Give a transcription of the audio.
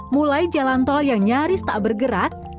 mulai jalan tol yang nyaris tak bergerak